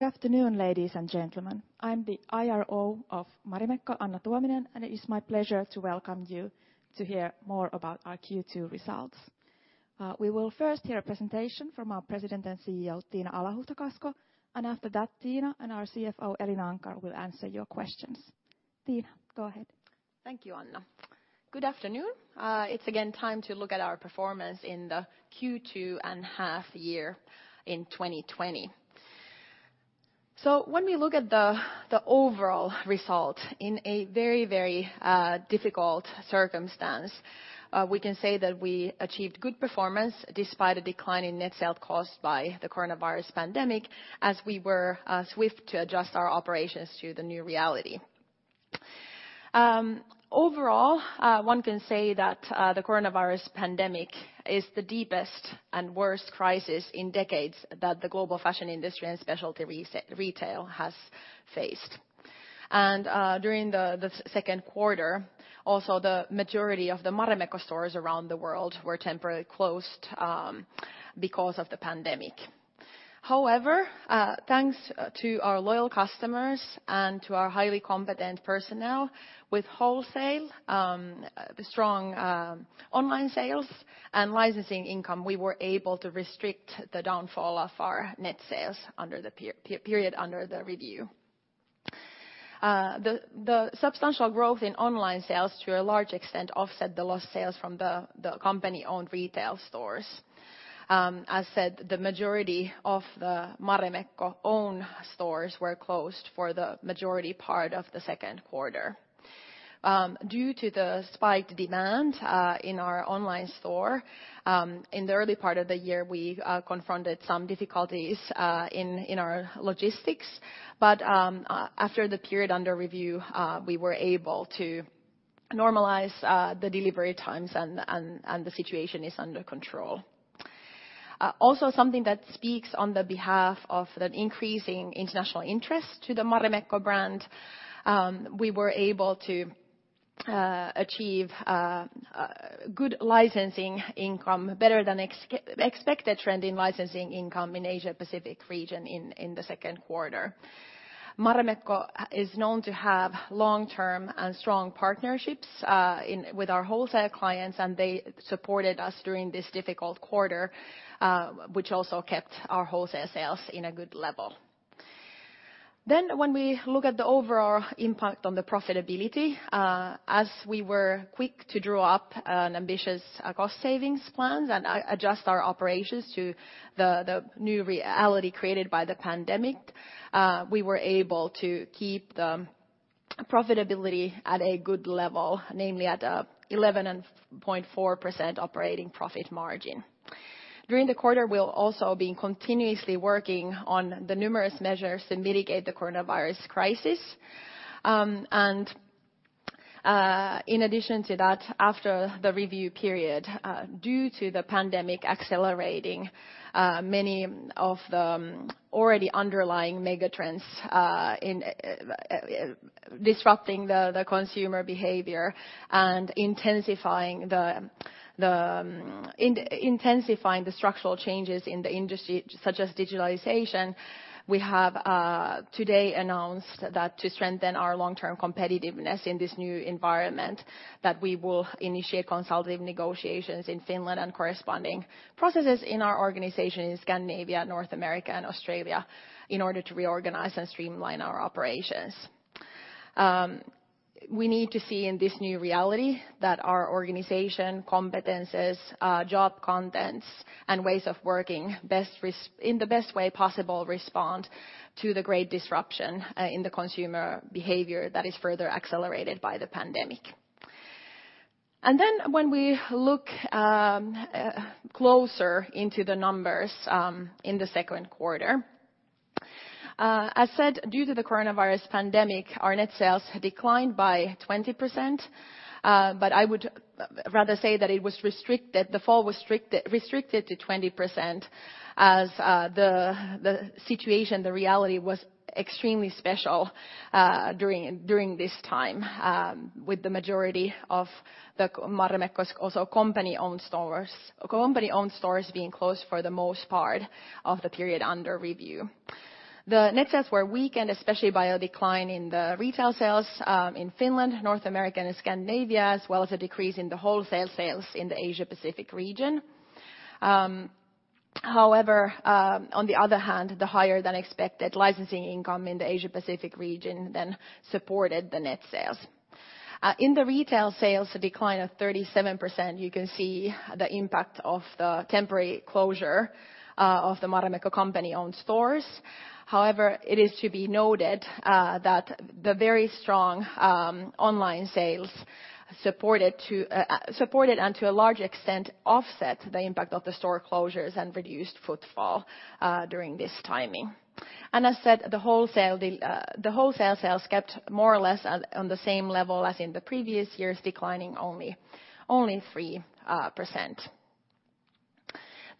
Good afternoon, ladies and gentlemen. I'm the IRO of Marimekko, Anna Tuominen, and it is my pleasure to welcome you to hear more about our Q2 results. We will first hear a presentation from our President and CEO, Tiina Alahuhta-Kasko, and after that, Tiina and our CFO, Elina Anckar, will answer your questions. Tiina, go ahead. Thank you, Anna. Good afternoon. It's again time to look at our performance in the Q2 and half year in 2020. When we look at the overall result in a very difficult circumstance, we can say that we achieved good performance despite a decline in net sales caused by the coronavirus pandemic as we were swift to adjust our operations to the new reality. Overall, one can say that the coronavirus pandemic is the deepest and worst crisis in decades that the global fashion industry and specialty retail has faced. During the second quarter, also the majority of the Marimekko stores around the world were temporarily closed because of the pandemic. However, thanks to our loyal customers and to our highly competent personnel with wholesale, strong online sales, and licensing income, we were able to restrict the downfall of our net sales under the period under the review. The substantial growth in online sales to a large extent offset the lost sales from the company-owned retail stores. As said, the majority of the Marimekko owned stores were closed for the majority part of the second quarter. Due to the spiked demand in our online store, in the early part of the year, we confronted some difficulties in our logistics. After the period under review, we were able to normalize the delivery times and the situation is under control. Also something that speaks on the behalf of that increasing international interest to the Marimekko brand, we were able to achieve good licensing income, better than expected trend in licensing income in Asia Pacific region in the second quarter. Marimekko is known to have long-term and strong partnerships with our wholesale clients, and they supported us during this difficult quarter, which also kept our wholesale sales in a good level. When we look at the overall impact on the profitability, as we were quick to draw up an ambitious cost savings plans and adjust our operations to the new reality created by the pandemic, we were able to keep the profitability at a good level, namely at 11.4% operating profit margin. During the quarter, we'll also be continuously working on the numerous measures to mitigate the coronavirus crisis. In addition to that, after the review period, due to the pandemic accelerating many of the already underlying mega trends in disrupting the consumer behavior and intensifying the structural changes in the industry, such as digitalization. We have today announced that to strengthen our long-term competitiveness in this new environment, that we will initiate consultative negotiations in Finland and corresponding processes in our organization in Scandinavia, North America, and Australia in order to reorganize and streamline our operations. We need to see in this new reality that our organization, competencies, job contents, and ways of working in the best way possible respond to the great disruption in the consumer behavior that is further accelerated by the pandemic. When we look closer into the numbers in the second quarter, as said, due to the coronavirus pandemic, our net sales declined by 20%. I would rather say that the fall was restricted to 20% as the situation, the reality was extremely special during this time, with the majority of the Marimekko company-owned stores being closed for the most part of the period under review. The net sales were weakened, especially by a decline in the retail sales in Finland, North America, and Scandinavia, as well as a decrease in the wholesale sales in the Asia Pacific region. On the other hand, the higher than expected licensing income in the Asia Pacific region then supported the net sales. In the retail sales decline of 37%, you can see the impact of the temporary closure of the Marimekko company-owned stores. It is to be noted that the very strong online sales supported and to a large extent, offset the impact of the store closures and reduced footfall during this timing. As said, the wholesale sales kept more or less on the same level as in the previous years, declining only 3%.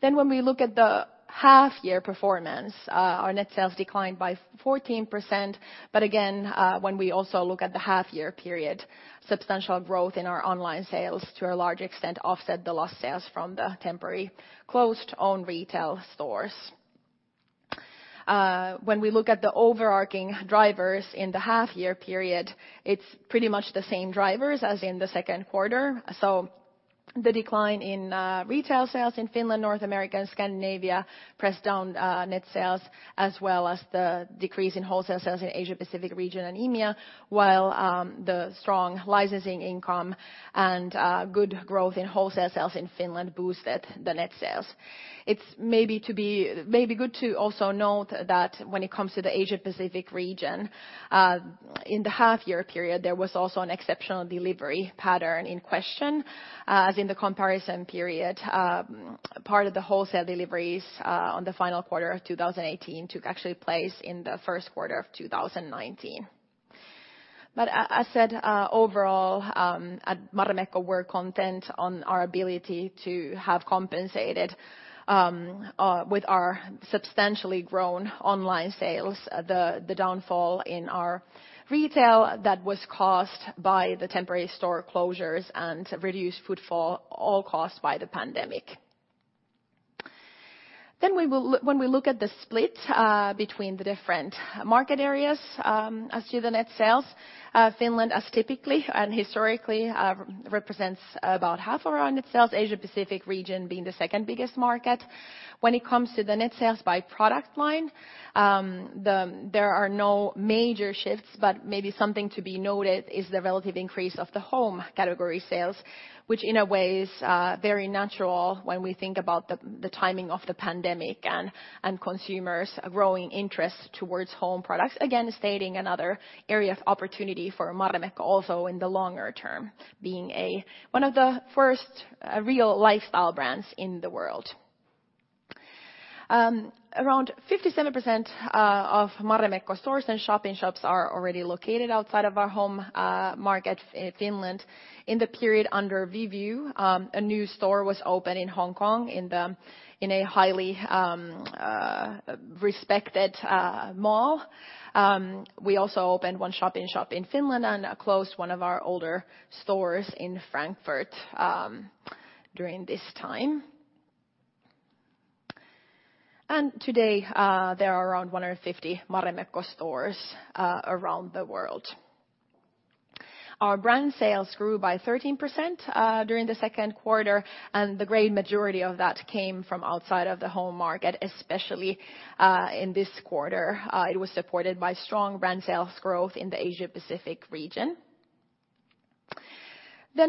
When we look at the half year performance, our net sales declined by 14%. Again, when we also look at the half year period, substantial growth in our online sales to a large extent offset the lost sales from the temporary closed own retail stores. When we look at the overarching drivers in the half-year period, it's pretty much the same drivers as in the second quarter. The decline in retail sales in Finland, North America, and Scandinavia pressed down net sales, as well as the decrease in wholesale sales in Asia-Pacific region and EMEA, while the strong licensing income and good growth in wholesale sales in Finland boosted the net sales. It's maybe good to also note that when it comes to the Asia-Pacific region, in the half-year period, there was also an exceptional delivery pattern in question, as in the comparison period, part of the wholesale deliveries on the final quarter of 2018 took actually place in the first quarter of 2019. As said, overall, at Marimekko, we're content on our ability to have compensated with our substantially grown online sales, the downfall in our retail that was caused by the temporary store closures and reduced footfall, all caused by the pandemic. When we look at the split between the different market areas as to the net sales, Finland as typically and historically represents about half around net sales, Asia-Pacific region being the second biggest market. When it comes to the net sales by product line, there are no major shifts, but maybe something to be noted is the relative increase of the home category sales, which in a way is very natural when we think about the timing of the pandemic and consumers' growing interest towards home products. Again, stating another area of opportunity for Marimekko also in the longer term, being one of the first real lifestyle brands in the world. Around 57% of Marimekko stores and shop-in-shops are already located outside of our home markets in Finland. In the period under review, a new store was opened in Hong Kong in a highly respected mall. We also opened one shop-in-shop in Finland and closed one of our older stores in Frankfurt during this time. Today, there are around 150 Marimekko stores around the world. Our brand sales grew by 13% during the second quarter, and the great majority of that came from outside of the home market, especially in this quarter. It was supported by strong brand sales growth in the Asia-Pacific region.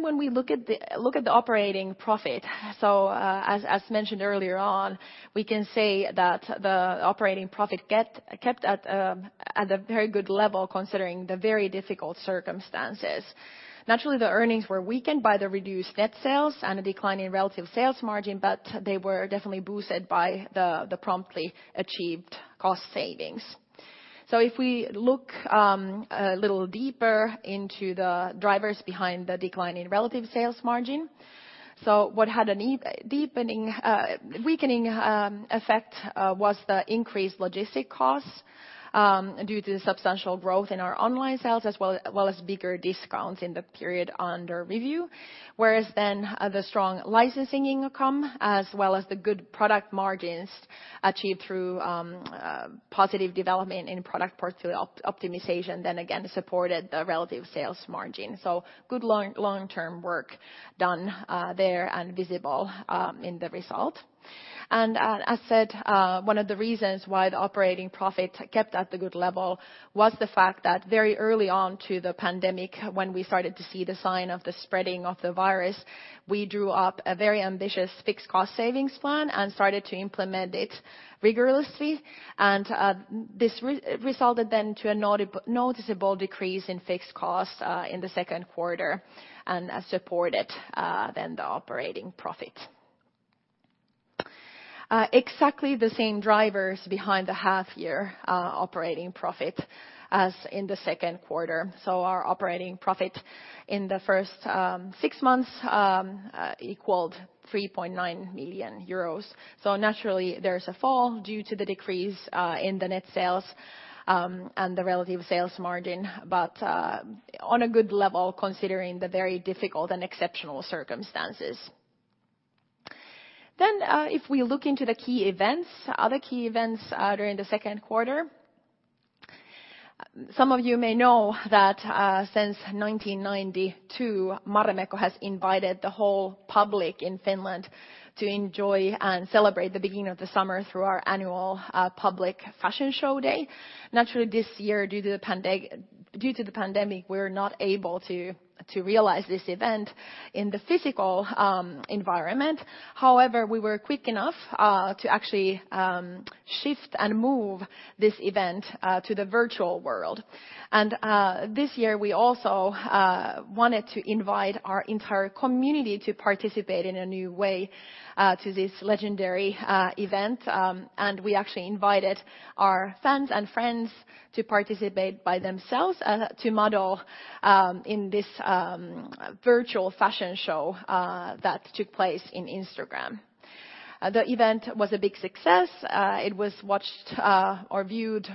When we look at the operating profit, as mentioned earlier on, we can say that the operating profit kept at a very good level considering the very difficult circumstances. Naturally, the earnings were weakened by the reduced net sales and a decline in relative sales margin, but they were definitely boosted by the promptly achieved cost savings. If we look a little deeper into the drivers behind the decline in relative sales margin, what had a weakening effect was the increased logistic costs due to the substantial growth in our online sales as well as bigger discounts in the period under review. The strong licensing income, as well as the good product margins achieved through positive development in product portfolio optimization, then again supported the relative sales margin. Good long-term work done there and visible in the result. As said, one of the reasons why the operating profit kept at the good level was the fact that very early on to the pandemic, when we started to see the sign of the spreading of the virus, we drew up a very ambitious fixed cost savings plan and started to implement it rigorously. This resulted then to a noticeable decrease in fixed costs in the second quarter and supported then the operating profit. Exactly the same drivers behind the half-year operating profit as in the second quarter. Our operating profit in the first six months equaled 3.9 million euros. Naturally, there's a fall due to the decrease in the net sales and the relative sales margin, but on a good level considering the very difficult and exceptional circumstances. If we look into the key events, other key events during the second quarter. Some of you may know that since 1992, Marimekko has invited the whole public in Finland to enjoy and celebrate the beginning of the summer through our annual public fashion show day. Naturally, this year, due to the pandemic, we're not able to realize this event in the physical environment. However, we were quick enough to actually shift and move this event to the virtual world. This year, we also wanted to invite our entire community to participate in a new way to this legendary event, and we actually invited our fans and friends to participate by themselves to model in this virtual fashion show that took place in Instagram. The event was a big success. It was watched or viewed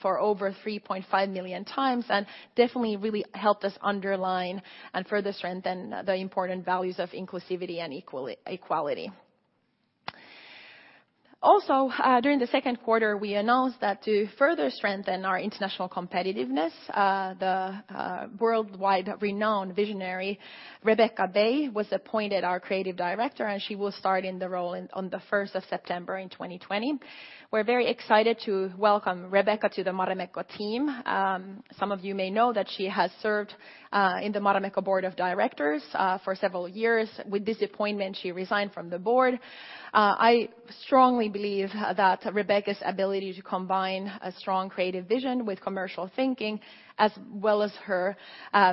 for over 3.5 million times and definitely really helped us underline and further strengthen the important values of inclusivity and equality. During the second quarter, we announced that to further strengthen our international competitiveness, the worldwide renowned visionary Rebekka Bay was appointed our creative director, and she will start in the role on the 1st of September in 2020. We're very excited to welcome Rebekka to the Marimekko team. Some of you may know that she has served in the Marimekko board of directors for several years. With this appointment, she resigned from the board. I strongly believe that Rebekka's ability to combine a strong creative vision with commercial thinking, as well as her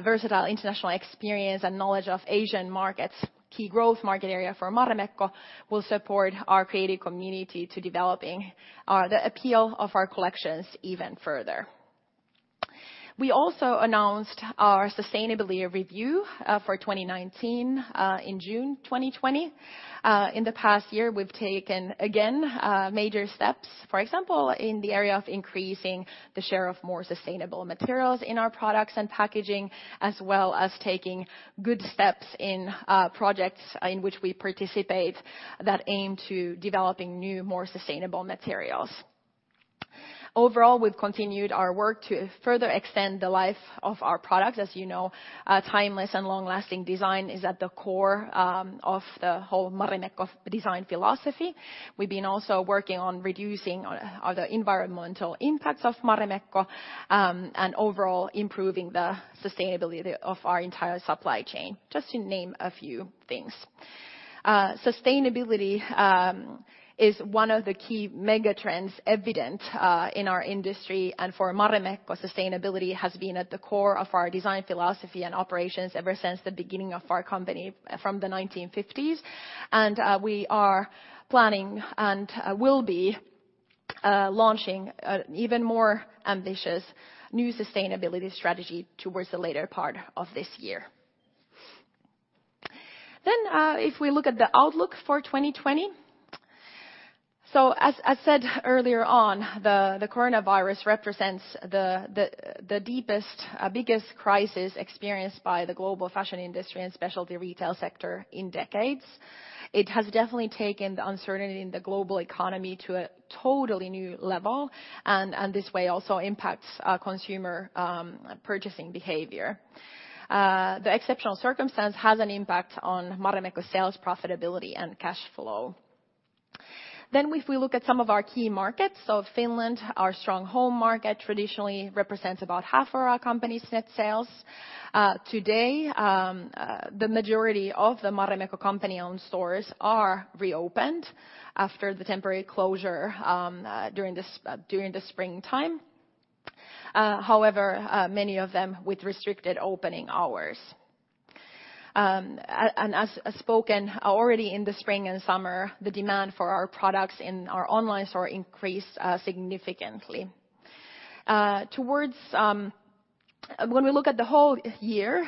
versatile international experience and knowledge of Asian markets, key growth market area for Marimekko, will support our creative community to developing the appeal of our collections even further. We also announced our sustainability review for 2019 in June 2020. In the past year, we've taken, again, major steps, for example, in the area of increasing the share of more sustainable materials in our products and packaging, as well as taking good steps in projects in which we participate that aim to developing new, more sustainable materials. Overall, we've continued our work to further extend the life of our products. As you know, timeless and long-lasting design is at the core of the whole Marimekko design philosophy. We've been also working on reducing the environmental impacts of Marimekko, and overall improving the sustainability of our entire supply chain, just to name a few things. Sustainability is one of the key mega trends evident in our industry. For Marimekko, sustainability has been at the core of our design philosophy and operations ever since the beginning of our company from the 1950s. We are planning and will be launching even more ambitious new sustainability strategy towards the later part of this year. If we look at the outlook for 2020, so as I said earlier on, the coronavirus represents the deepest, biggest crisis experienced by the global fashion industry and specialty retail sector in decades. It has definitely taken the uncertainty in the global economy to a totally new level and, this way, also impacts consumer purchasing behavior. The exceptional circumstance has an impact on Marimekko sales profitability and cash flow. If we look at some of our key markets, so Finland, our strong home market, traditionally represents about half of our company's net sales. Today, the majority of the Marimekko company-owned stores are reopened after the temporary closure during the springtime. However, many of them with restricted opening hours. As spoken already in the spring and summer, the demand for our products in our online store increased significantly. When we look at the whole year,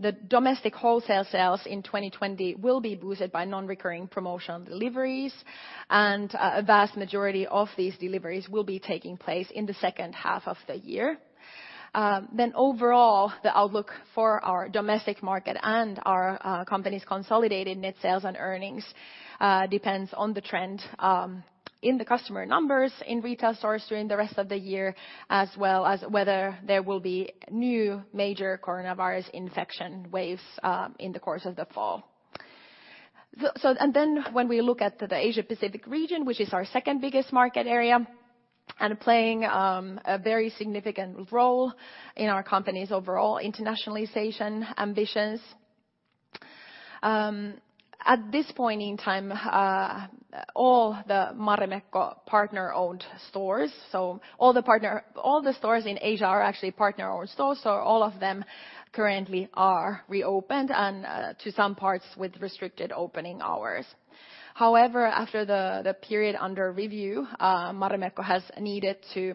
the domestic wholesale sales in 2020 will be boosted by non-recurring promotional deliveries, and a vast majority of these deliveries will be taking place in the second half of the year. Overall, the outlook for our domestic market and our company's consolidated net sales and earnings depends on the trend in the customer numbers in retail stores during the rest of the year, as well as whether there will be new major coronavirus infection waves in the course of the fall. When we look at the Asia-Pacific region, which is our second-biggest market area, and playing a very significant role in our company's overall internationalization ambitions. At this point in time, all the Marimekko partner-owned stores, so all the stores in Asia are actually partner-owned stores, so all of them currently are reopened and to some parts with restricted opening hours. However, after the period under review, Marimekko has needed to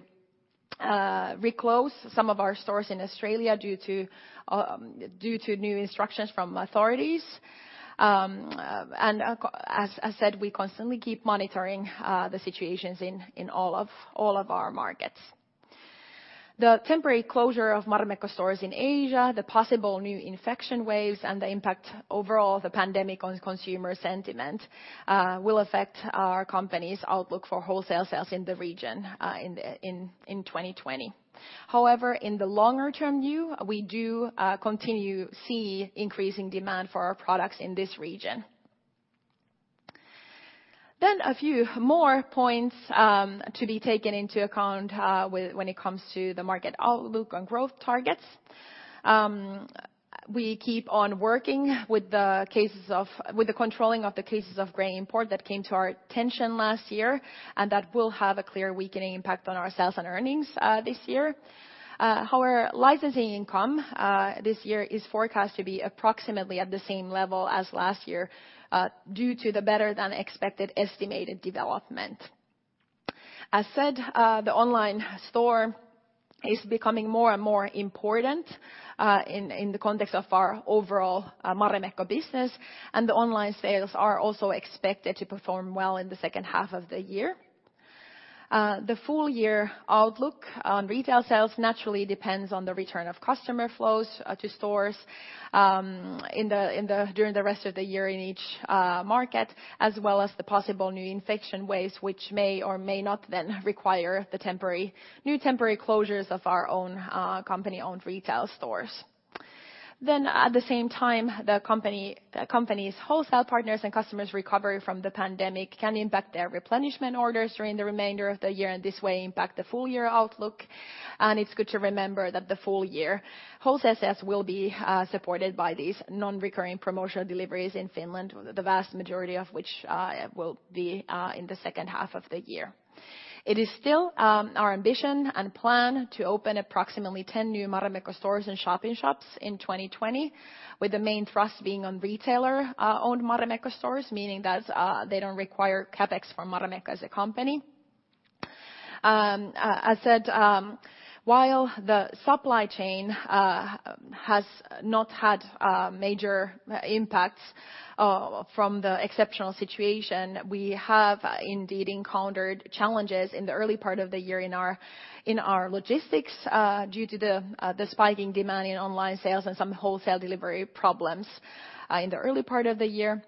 reclose some of our stores in Australia due to new instructions from authorities. As I said, we constantly keep monitoring the situations in all of our markets. The temporary closure of Marimekko stores in Asia, the possible new infection waves, and the impact overall of the pandemic on consumer sentiment will affect our company's outlook for wholesale sales in the region in 2020. In the longer-term view, we do continue to see increasing demand for our products in this region. A few more points to be taken into account when it comes to the market outlook and growth targets. We keep on working with the controlling of the cases of grey import that came to our attention last year, and that will have a clear weakening impact on our sales and earnings this year. Licensing income this year is forecast to be approximately at the same level as last year due to the better-than-expected estimated development. As said, the online store is becoming more and more important in the context of our overall Marimekko business. The online sales are also expected to perform well in the second half of the year. The full year outlook on retail sales naturally depends on the return of customer flows to stores during the rest of the year in each market, as well as the possible new infection waves, which may or may not then require new temporary closures of our own company-owned retail stores. At the same time, the company's wholesale partners and customers recovery from the pandemic can impact their replenishment orders during the remainder of the year, and this way impact the full year outlook. It's good to remember that the full year wholesale sales will be supported by these non-recurring promotional deliveries in Finland, the vast majority of which will be in the second half of the year. It is still our ambition and plan to open approximately 10 new Marimekko stores and shop-ing shops in 2020, with the main thrust being on retailer-owned Marimekko stores, meaning that they don't require CapEx from Marimekko as a company. As said, while the supply chain has not had major impacts from the exceptional situation, we have indeed encountered challenges in the early part of the year in our logistics due to the spike in demand in online sales and some wholesale delivery problems in the early part of the year.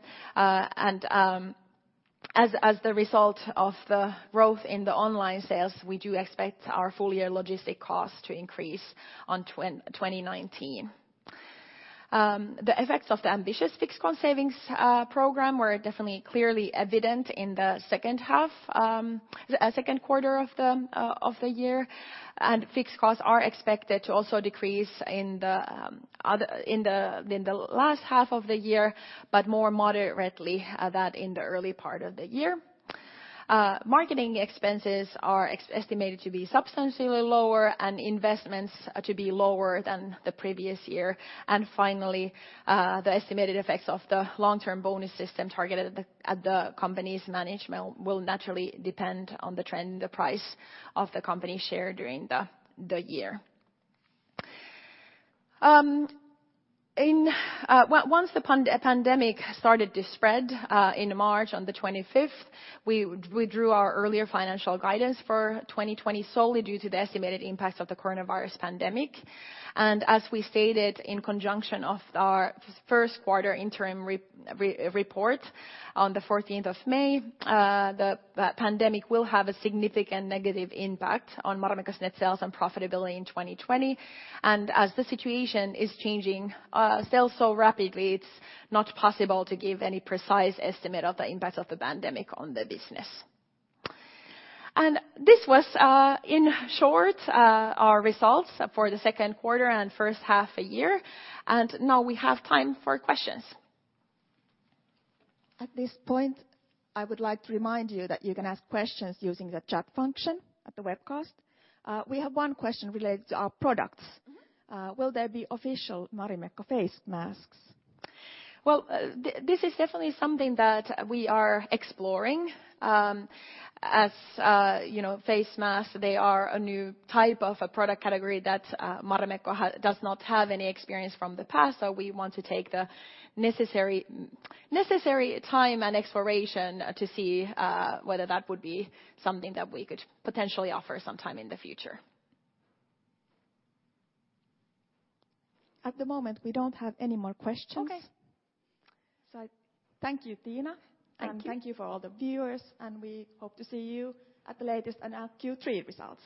As the result of the growth in the online sales, we do expect our full year logistic costs to increase on 2019. The effects of the ambitious fixed cost savings program were definitely clearly evident in the second quarter of the year. Fixed costs are expected to also decrease in the last half of the year, but more moderately than in the early part of the year. Marketing expenses are estimated to be substantially lower and investments to be lower than the previous year. Finally, the estimated effects of the long-term bonus system targeted at the company's management will naturally depend on the trend, the price of the company share during the year. Once the pandemic started to spread in March on the 25th, we withdrew our earlier financial guidance for 2020 solely due to the estimated impact of the coronavirus pandemic. As we stated in conjunction of our first quarter interim report on the 14th of May, the pandemic will have a significant negative impact on Marimekko's net sales and profitability in 2020. As the situation is changing still so rapidly, it's not possible to give any precise estimate of the impact of the pandemic on the business. This was in short our results for the second quarter and first half a year. Now we have time for questions. At this point, I would like to remind you that you can ask questions using the chat function at the webcast. We have one question related to our products. Will there be official Marimekko face masks? Well, this is definitely something that we are exploring. As face masks, they are a new type of a product category that Marimekko does not have any experience from the past. We want to take the necessary time and exploration to see whether that would be something that we could potentially offer sometime in the future. At the moment, we don't have any more questions. Okay. Thank you, Tiina. Thank you. Thank you for all the viewers, and we hope to see you at the latest in our Q3 results.